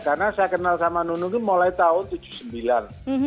karena saya kenal sama nunung itu mulai tahun seribu sembilan ratus tujuh puluh sembilan